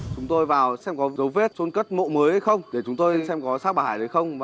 chúng tôi vào xem có dấu vết trôn cất mộ mới hay không để chúng tôi xem có sát bài hay không